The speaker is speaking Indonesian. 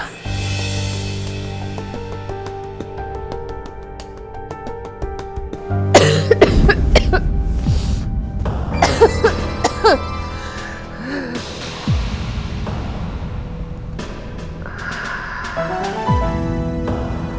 mau di time